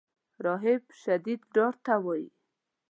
رهب شدید ډار ته وایي.